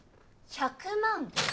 １００万？